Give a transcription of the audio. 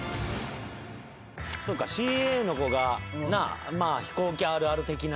ＣＡの子が飛行機あるある的な。